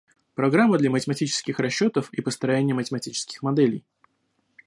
Программы для математических расчетов и построения математических моделей